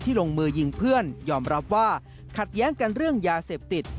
ลงมือยิงเพื่อนยอมรับว่าขัดแย้งกันเรื่องยาเสพติด